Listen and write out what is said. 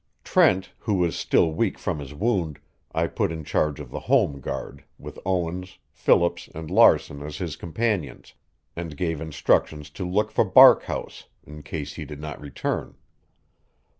Trent, who was still weak from his wound, I put in charge of the home guard, with Owens, Phillips and Larson as his companions, and gave instructions to look for Barkhouse, in case he did not return.